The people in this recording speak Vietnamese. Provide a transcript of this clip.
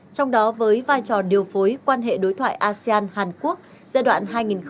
trong đó với vai trò điều phối quan hệ đối thoại asean hàn quốc giai đoạn hai nghìn hai mươi một hai nghìn hai mươi bốn